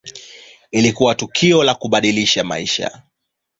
Ilikuwa tukio la kubadilisha maisha.